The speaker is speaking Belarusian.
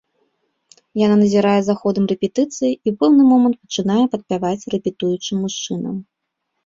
Яна назірае за ходам рэпетыцыі, і ў пэўны момант пачынае падпяваць рэпетуючым мужчынам.